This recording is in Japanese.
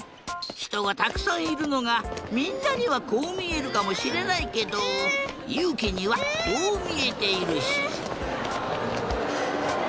ひとがたくさんいるのがみんなにはこうみえるかもしれないけどゆうきにはこうみえているし。